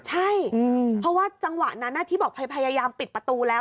ใช่เพราะว่าจังหวะนั้นที่บอกพยายามปิดประตูแล้ว